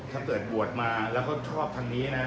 ถ้าเกิดบวชมาแล้วก็ชอบทางนี้นะ